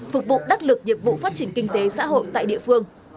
phục vụ đắc lực nhiệm vụ phát triển kinh tế xã hội tại địa phương